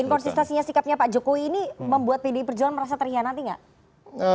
inkonsistensinya sikapnya pak jokowi ini membuat pdi perjuangan merasa terhianati nggak